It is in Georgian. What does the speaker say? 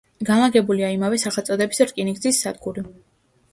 განლაგებულია იმავე სახელწოდების რკინიგზის სადგური.